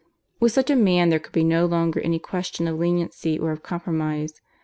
With such a man there could be no longer any question of leniency or of compromise.